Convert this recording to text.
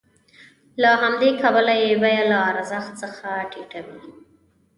له همدې کبله یې بیه له ارزښت څخه ټیټه وي